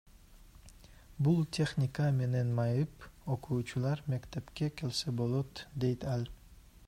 Бул техника менен майып окуучулар мектепке келсе болот, дейт ал.